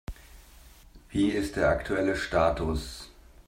Wie ist der aktuelle Status?